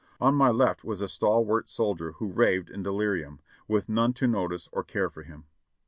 On my left was a stalwart soldier who raved in delirium, with none to notice or care for him.